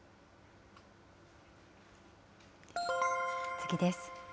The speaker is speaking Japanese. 次です。